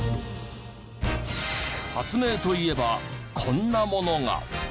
発明といえばこんなものが。